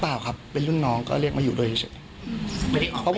เปล่าครับเป็นลุ่นน้องก็เรียกมาอยู่ตัวเองเดินใช่ใช่